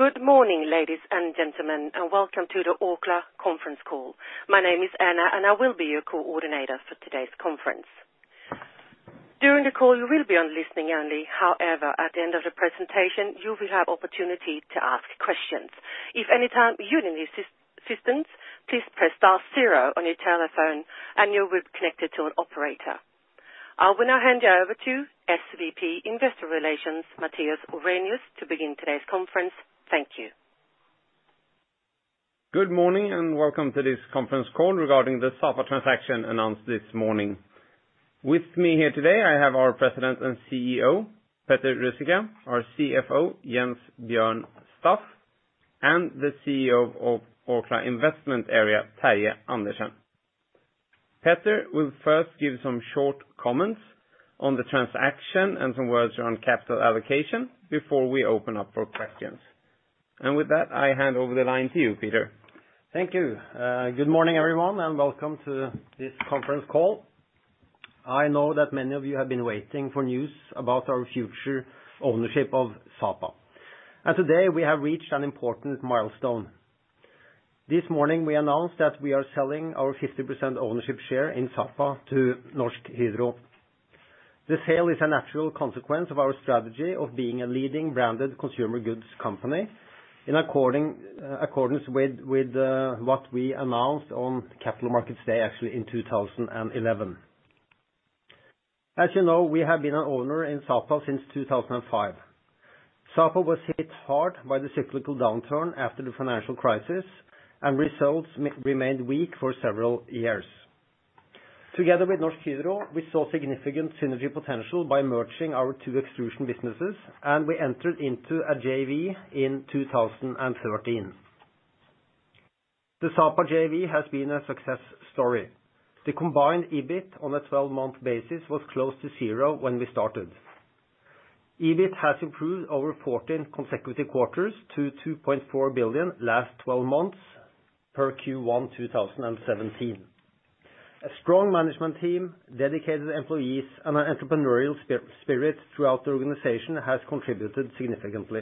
Good morning, ladies and gentlemen, and welcome to the Orkla conference call. My name is Anna, and I will be your coordinator for today's conference. During the call, you will be on listening only. However, at the end of the presentation, you will have opportunity to ask questions. If any time you need assistance, please press star zero on your telephone, and you will be connected to an operator. I will now hand you over to SVP Investor Relations, Mattias Orrenius, to begin today's conference. Thank you. Good morning, and welcome to this conference call regarding the Sapa transaction announced this morning. With me here today, I have our President and CEO, Peter Ruzicka, our CFO, Jens Bjørn Staff, and the CEO of Orkla Investments, Terje Andersen. Peter will first give some short comments on the transaction and some words around capital allocation before we open up for questions. And with that, I hand over the line to you, Peter. Thank you. Good morning, everyone, and welcome to this conference call. I know that many of you have been waiting for news about our future ownership of Sapa, and today we have reached an important milestone. This morning, we announced that we are selling our 50% ownership share in Sapa to Norsk Hydro. The sale is a natural consequence of our strategy of being a leading branded consumer goods company, in accordance with what we announced on Capital Markets Day, actually, in two thousand and eleven. As you know, we have been an owner in Sapa since two thousand and five. Sapa was hit hard by the cyclical downturn after the financial crisis, and results remained weak for several years. Together with Norsk Hydro, we saw significant synergy potential by merging our two extrusion businesses, and we entered into a JV in 2013. The Sapa JV has been a success story. The combined EBIT on a 12-month basis was close to zero when we started. EBIT has improved over 14 consecutive quarters to 2.4 billion last twelve months per Q1 2017. A strong management team, dedicated employees, and an entrepreneurial spirit throughout the organization has contributed significantly.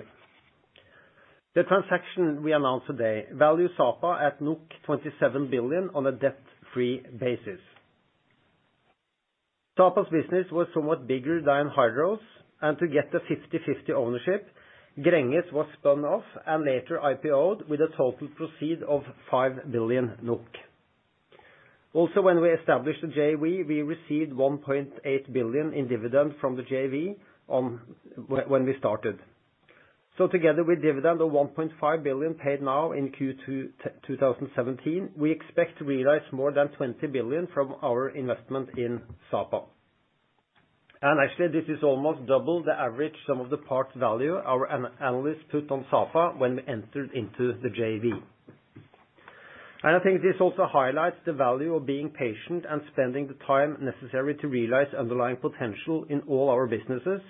The transaction we announced today values Sapa at 27 billion on a debt-free basis. Sapa's business was somewhat bigger than Hydro's, and to get the 50-50 ownership, Gränges was spun off and later IPO'd, with a total proceed of 5 billion NOK. Also, when we established the JV, we received 1.8 billion in dividends from the JV on... When we started. So together with dividend of 1.5 billion paid now in Q2 2017, we expect to realize more than 20 billion from our investment in Sapa. And actually, this is almost double the average sum of the parts value our analysts put on Sapa when we entered into the JV. And I think this also highlights the value of being patient and spending the time necessary to realize underlying potential in all our businesses,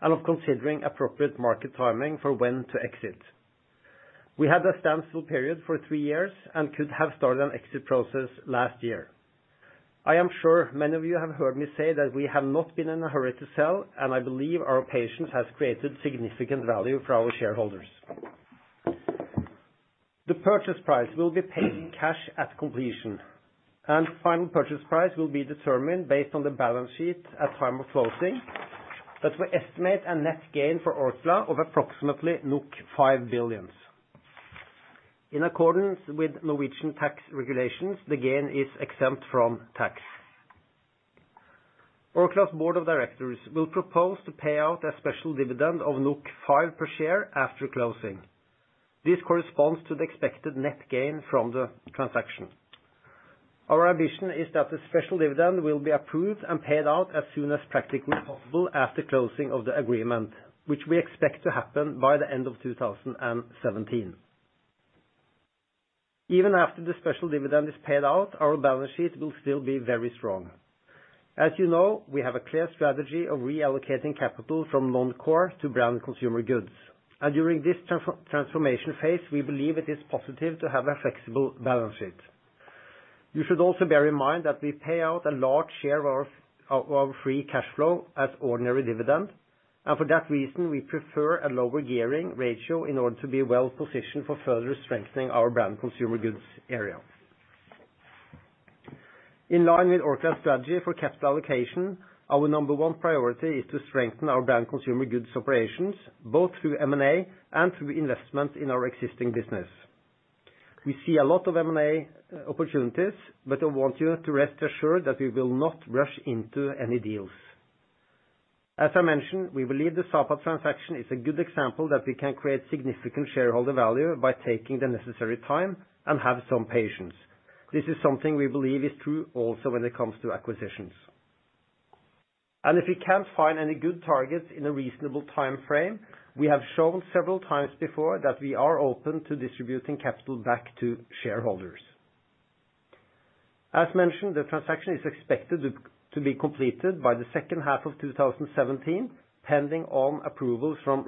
and of considering appropriate market timing for when to exit. We had a standstill period for three years and could have started an exit process last year. I am sure many of you have heard me say that we have not been in a hurry to sell, and I believe our patience has created significant value for our shareholders. The purchase price will be paid in cash at completion, and final purchase price will be determined based on the balance sheet at time of closing, but we estimate a net gain for Orkla of approximately 5 billion. In accordance with Norwegian tax regulations, the gain is exempt from tax. Orkla's board of directors will propose to pay out a special dividend of 5 per share after closing. This corresponds to the expected net gain from the transaction. Our ambition is that the special dividend will be approved and paid out as soon as practically possible after closing of the agreement, which we expect to happen by the end of 2017. Even after the special dividend is paid out, our balance sheet will still be very strong. As you know, we have a clear strategy of reallocating capital from non-core to branded consumer goods, and during this transformation phase, we believe it is positive to have a flexible balance sheet. You should also bear in mind that we pay out a large share of our free cash flow as ordinary dividend, and for that reason, we prefer a lower gearing ratio in order to be well positioned for further strengthening our branded consumer goods area. In line with Orkla's strategy for capital allocation, our number one priority is to strengthen our branded consumer goods operations, both through M&A and through investment in our existing business. We see a lot of M&A opportunities, but I want you to rest assured that we will not rush into any deals. As I mentioned, we believe the Sapa transaction is a good example that we can create significant shareholder value by taking the necessary time and have some patience. This is something we believe is true also when it comes to acquisitions. And if we can't find any good targets in a reasonable timeframe, we have shown several times before that we are open to distributing capital back to shareholders. As mentioned, the transaction is expected to be completed by the second half of 2017, pending on approvals from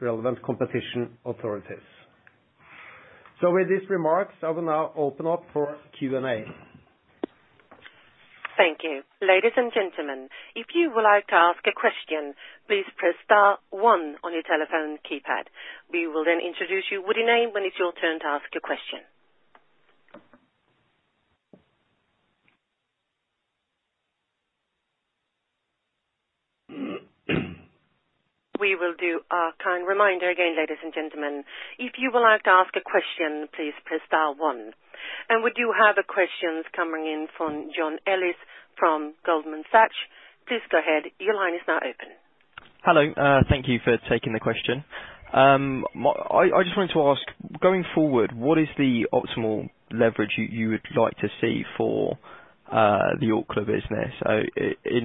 relevant competition authorities. With these remarks, I will now open up for Q&A.... Thank you. Ladies and gentlemen, if you would like to ask a question, please press star one on your telephone keypad. We will then introduce you with your name when it's your turn to ask a question. We will do our kind reminder again, ladies and gentlemen, if you would like to ask a question, please press star one. And we do have a question coming in from John Ennis from Goldman Sachs. Please go ahead. Your line is now open. Hello, thank you for taking the question. I just wanted to ask, going forward, what is the optimal leverage you would like to see for the Aker business,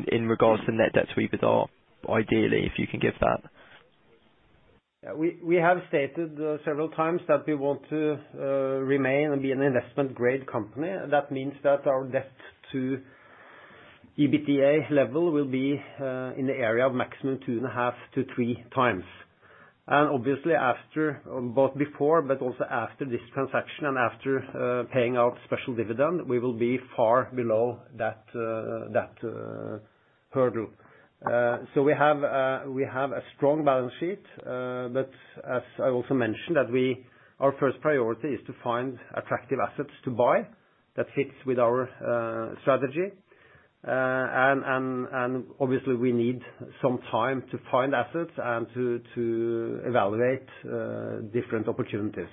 in regards to net debt to EBITDA, ideally, if you can give that? Yeah, we have stated several times that we want to remain and be an investment-grade company. That means that our debt to EBITDA level will be in the area of maximum two and a half to three times. And obviously, after both before, but also after this transaction, and after paying out special dividend, we will be far below that hurdle. So we have a strong balance sheet, but as I also mentioned, our first priority is to find attractive assets to buy that fits with our strategy. And obviously, we need some time to find assets and to evaluate different opportunities.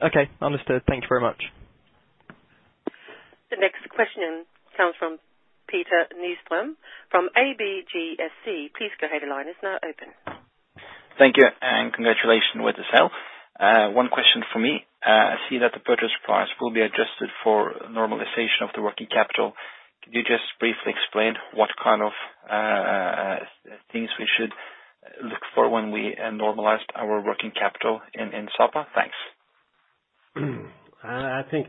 Okay, understood. Thank you very much. The next question comes from Petter Nystrm, from ABGSC. Please go ahead, your line is now open. Thank you, and congratulations with the sale. One question for me. I see that the purchase price will be adjusted for normalization of the working capital. Could you just briefly explain what kind of things we should look for when we normalized our working capital in Sapa? Thanks. I think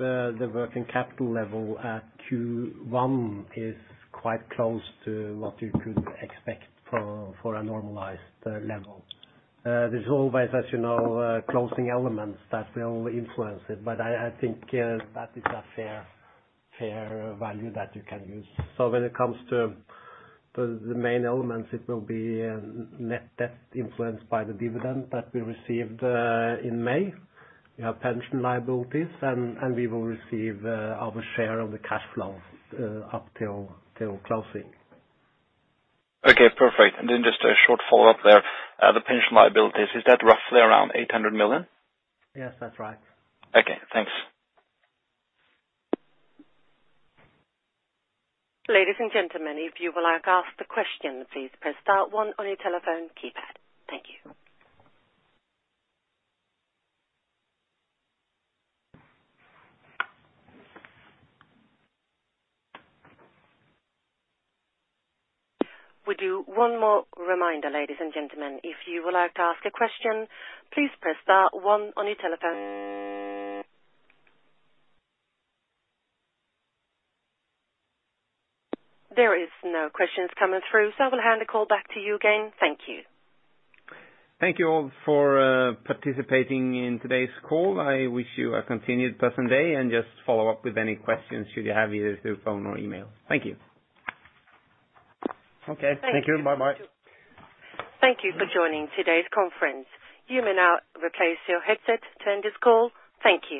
the working capital level at Q1 is quite close to what you could expect for a normalized level. There's always, as you know, closing elements that will influence it, but I think that is a fair value that you can use. So when it comes to the main elements, it will be net debt influenced by the dividend that we received in May. We have pension liabilities and we will receive our share of the cash flows up till closing. Okay, perfect. And then just a short follow-up there. The pension liabilities, is that roughly around 800 million? Yes, that's right. Okay, thanks. Ladies and gentlemen, if you would like to ask the question, please press star one on your telephone keypad. Thank you. We do one more reminder, ladies and gentlemen. If you would like to ask a question, please press star one on your telephone. There is no questions coming through, so I will hand the call back to you again. Thank you. Thank you all for participating in today's call. I wish you a continued pleasant day, and just follow up with any questions you have, either through phone or email. Thank you. Okay, thank you. Bye-bye. Thank you for joining today's conference. You may now replace your headset to end this call. Thank you.